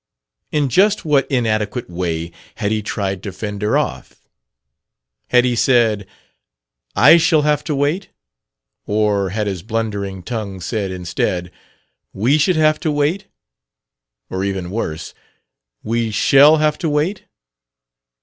In just what inadequate way had he tried to fend her off? Had he said, "I shall have to wait?" Or had his blundering tongue said, instead, "We should have to wait?" or even worse, "We shall have to wait?"